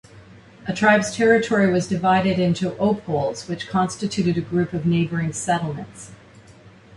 A tribe's territory was divided into "opoles", which constituted a group of neighboring settlements.